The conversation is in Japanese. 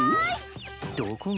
どこが。